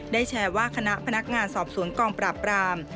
แชร์ว่าคณะพนักงานสอบสวนกองปราบราม